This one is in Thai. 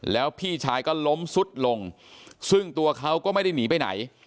แล้วพี่ชายก็ล้มสุดลงซึ่งตัวเขาก็ไม่ได้หนีไปไหน